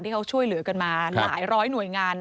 ที่เขาช่วยเหลือกันมาหลายร้อยหน่วยงาน